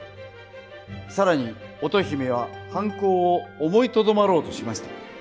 更に乙姫は犯行を思いとどまろうとしました。